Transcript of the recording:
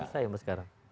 selesai mas sekarang